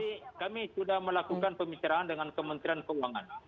jadi kami sudah melakukan pembicaraan dengan kementerian keuangan